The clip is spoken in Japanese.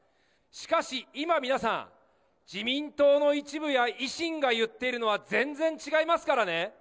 しかし、今、皆さん、自民党の一部や維新が言っているのは全然違いますからね。